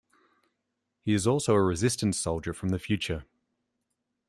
He is also a Resistance soldier from the future.